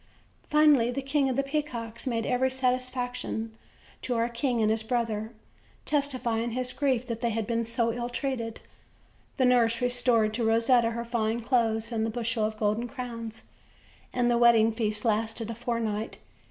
Finally, the King of the Peacocks made every satisfac tion to o"ur king and his brother, testifying his grief that they had been so long ill treated. The nurse restored to Rosetta her fine clothes, and the bushel of golden crowns, and the wedding feast lasted a fortnight.